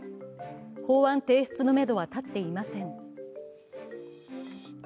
法案提出のめどは立っていません。